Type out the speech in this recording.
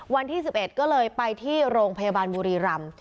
วันที่๑๑ก็เลยไปที่โรงพยาบาลบุรีรำ